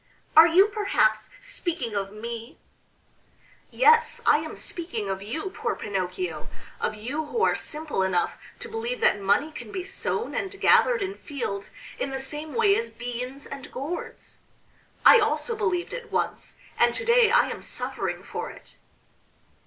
"Are you perhaps speaking of me?" "Yes, I am speaking of you, poor Pinocchio of you who are simple enough to believe that money can be sown and gathered in fields in the same way as beans and gourds. I also believed it once, and to day I am suffering for it.